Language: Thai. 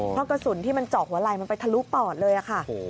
เพราะกระสุนที่มันเจาะหัวไหล่มันไปทะลุปอดเลยค่ะ